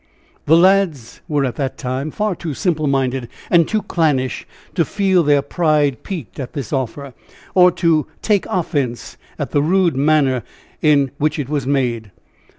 The lads were at that time far too simple minded and too clannish to feel their pride piqued at this offer, or to take offense at the rude manner in which it was made.